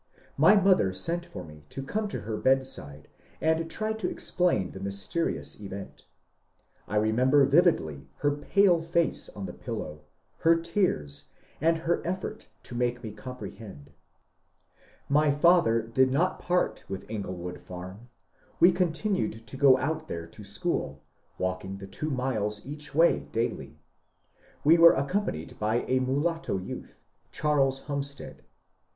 My motber sent for me to come to ber bedside, and tried to explain tbe mysterious event. I remember vividly ber pale face on tbe pillow, ber tears, and ber effort to make me oomprebend. My fatber did not part witb Inglewood farm, and we con tinued to go out tbere to scbool, walking tbe two miles eacb way daily. We were accompanied by a mulatto youtb, Cbarles Humstead.